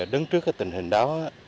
đứng trước tình hình đó